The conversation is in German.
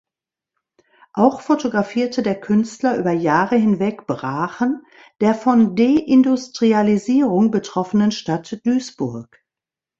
Auch fotografierte der Künstler über Jahre hinweg Brachen der von Deindustrialisierung betroffenen Stadt Duisburg.